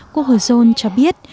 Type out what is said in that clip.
cô hơ sơn cho biết